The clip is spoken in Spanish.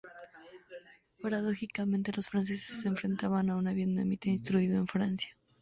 Paradójicamente, los franceses se enfrentaban a un vietnamita instruido en Francia.